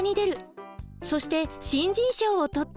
そして新人賞を取って活躍。